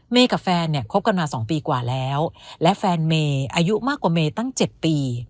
กับแฟนเนี่ยคบกันมา๒ปีกว่าแล้วและแฟนเมย์อายุมากกว่าเมย์ตั้ง๗ปี